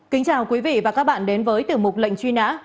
kính chào quý vị và các bạn đến với tiểu mục lệnh truy nã